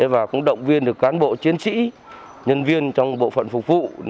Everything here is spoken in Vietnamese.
và cũng động viên được cán bộ chiến sĩ nhân viên trong bộ phận phục vụ